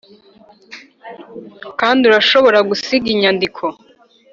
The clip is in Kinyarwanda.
kandi urashobora gusiga inyandiko